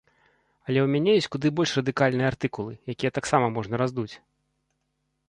Але ў мяне ёсць куды больш радыкальныя артыкулы, якія таксама можна раздуць.